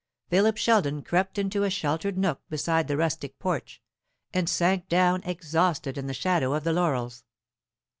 Philip Sheldon crept into a sheltered nook beside the rustic porch, and sank down exhausted in the shadow of the laurels.